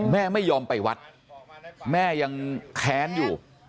แม่ไม่ยอมไปวัดแม่ยังแค้นอยู่